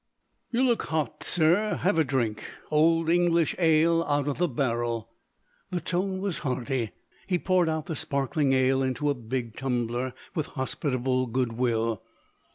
"You look hot, sir; have a drink. Old English ale, out of the barrel." The tone was hearty. He poured out the sparkling ale into a big tumbler, with hospitable good will.